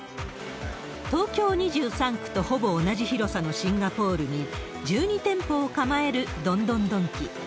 東京２３区とほぼ同じ広さのシンガポールに、１２店舗を構えるドンドンドンキ。